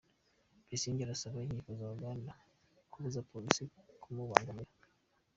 Besigye arasaba inkiko za Uganda kubuza Polisi kumubangamira